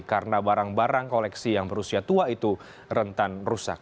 karena barang barang koleksi yang berusia tua itu rentan rusak